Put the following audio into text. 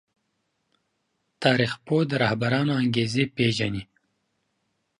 تاريخ پوه د رهبرانو انګېزې پېژني.